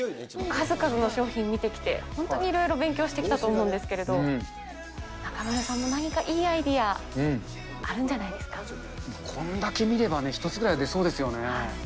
数々の商品見てきて、本当にいろいろ勉強してきたと思うんですけど、中丸さんも何かいいアイこんだけ見ればね、１つぐらい出そうですよね。